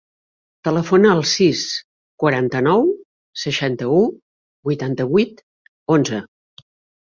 Telefona al sis, quaranta-nou, seixanta-u, vuitanta-vuit, onze.